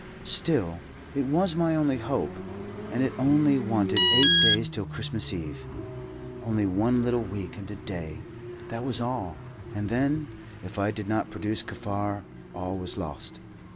Still, it was my only hope, and it only wanted eight days to Christmas Eve. Only one little week and a day, that was all, and then, if I did not produce Kaffar, all was lost.